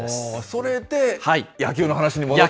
それで野球の話に戻ってくる？